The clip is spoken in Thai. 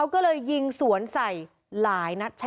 พวกมันต้องกินกันพี่